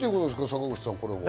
坂口さん。